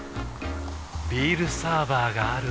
ビールサーバーがある夏。